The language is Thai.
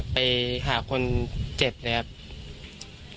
ไปหาคนเจ็บนะครับ